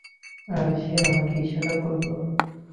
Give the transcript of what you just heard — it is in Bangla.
আর সে আমাকে ইশারা করলো।